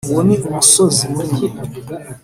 uwo ni umusozi munini!